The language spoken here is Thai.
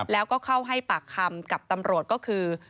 แล้วก็เข้าให้ปากคำกับตำรวจก็คือ